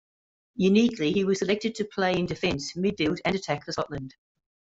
Uniquely, he was selected to play in defence, midfield, and attack for Scotland.